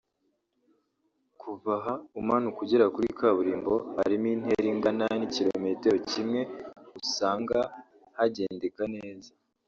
Kuva aha umanuka ugera kuri kaburimbo (harimo intera ingana n’ikilometero kimwe) usanga hagendeka neza